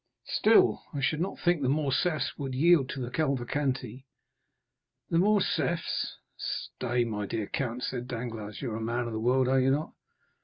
"Still, I should not think the Morcerfs would yield to the Cavalcanti?" "The Morcerfs!—Stay, my dear count," said Danglars; "you are a man of the world, are you not?"